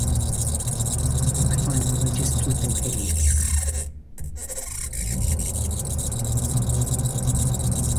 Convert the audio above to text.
I find religious people hideous.